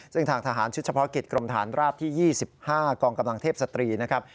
ซึ่งทางทหารชุดเฉพาะกิจกรมฐานราบที่๒๕กองกำลังเทพศตรีนะครับ